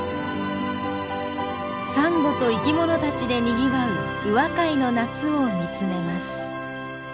サンゴと生きものたちでにぎわう宇和海の夏を見つめます。